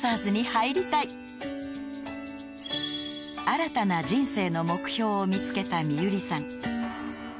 ［新たな人生の目標を見つけたＭＩＹＵＲＩさん］